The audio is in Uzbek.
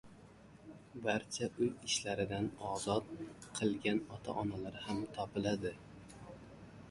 barcha uy ishlaridan ozod qilgan ota-onalar ham topiladi.